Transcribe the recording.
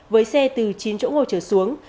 với xe từ chín chỗ ngồi trở xuống